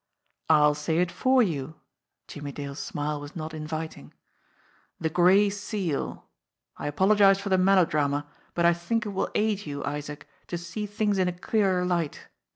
"I'll say it for you !" Jimmie Dale's smile was not in viting. "The Gray Seal ! I apologise for the melodrama, bu* I think it will aid you, Isaac, to see things in a clearer light.